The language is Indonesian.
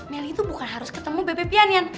meli tuh bukan harus ketemu bebe pianian